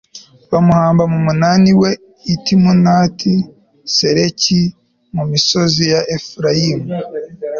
bamuhamba mu munani we i timunati seraki mu misozi ya efurayimu